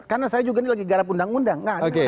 karena saya juga ini lagi garap undang undang